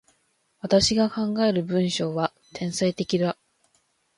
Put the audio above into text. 私が考える文章は、天才的だ。